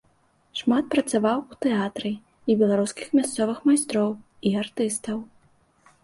Шмат працавала ў тэатры і беларускіх мясцовых майстроў і артыстаў.